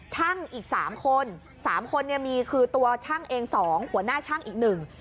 ช่างอีก๓คน๓คนนี่มีคือตัวช่างเอง๒หัวหน้าช่างอีก๑